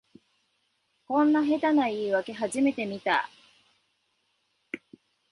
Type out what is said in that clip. こんな下手な言いわけ初めて見た